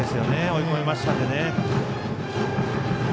追い込みましたんでね。